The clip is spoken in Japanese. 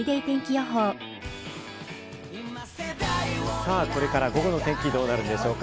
さぁ、これから午後のお天気、どうなるでしょうか。